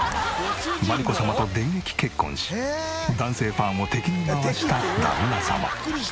真理子様と電撃結婚し男性ファンを敵に回した旦那様。